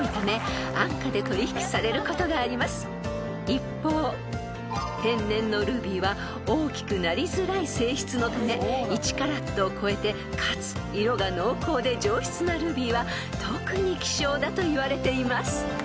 ［一方天然のルビーは大きくなりづらい性質のため１カラットを超えてかつ色が濃厚で上質なルビーは特に希少だといわれています］